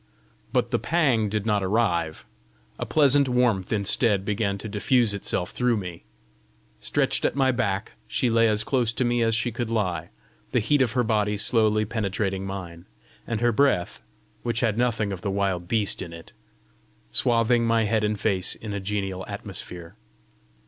But the pang did not arrive; a pleasant warmth instead began to diffuse itself through me. Stretched at my back, she lay as close to me as she could lie, the heat of her body slowly penetrating mine, and her breath, which had nothing of the wild beast in it, swathing my head and face in a genial atmosphere.